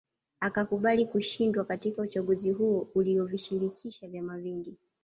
Akakubali kushindwa katika uchaguzi huo uliovishirikisha vyama vingi